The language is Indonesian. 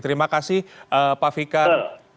terima kasih pak fikar